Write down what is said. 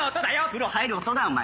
風呂入る音だお前。